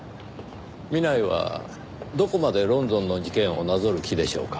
南井はどこまでロンドンの事件をなぞる気でしょうか？